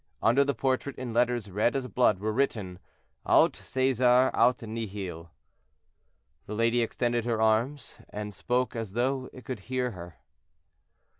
Under the portrait, in letters red as blood, was written, "Aut Cæsar aut nihil." The lady extended her arm, and spoke as though it could hear her.